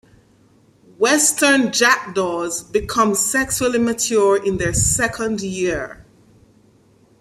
Western jackdaws become sexually mature in their second year.